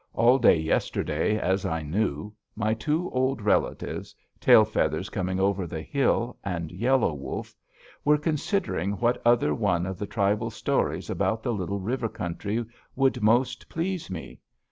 All day yesterday, as I knew, my two old relatives, Tail Feathers Coming over the Hill and Yellow Wolf, were considering what other one of the tribal stories about the Little River country would most please me.